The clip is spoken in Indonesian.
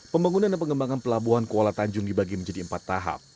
pembangunan dan pengembangan pelabuhan kuala tanjung dibagi menjadi empat tahap